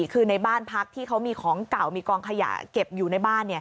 คือในบ้านพักที่เขามีของเก่ามีกองขยะเก็บอยู่ในบ้าน